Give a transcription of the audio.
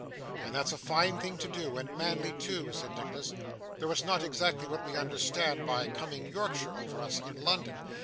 'And that's a fine thing to do, and manly too,' said Nicholas, 'though it's not exactly what we understand by "coming Yorkshire over us" in London.